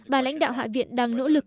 bà lãnh đạo hạ viện đang nỗ lực